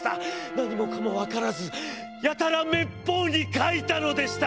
何もかもわからずやたら滅法に描いたのでした。